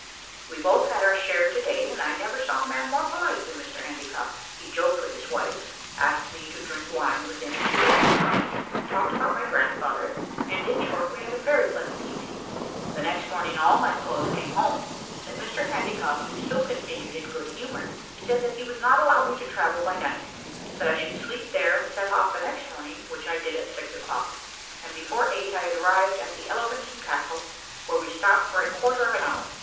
We both had our share to day, and I never saw a man more polite than Mr Handycock. He joked with his wife, asked me to drink wine with him two or three times, talked about my grandfather; and, in short, we had a very pleasant evening. The next morning all my clothes came home, but Mr Handycock, who still continued in good humour, said that he would not allow me to travel by night, that I should sleep there and set off the next morning; which I did at six o'clock, and before eight I had arrived at the Elephant and Castle, where we stopped for a quarter of an hour.